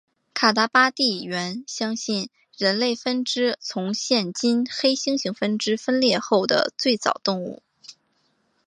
卡达巴地猿相信是人类分支从现今黑猩猩分支分裂后的最早动物。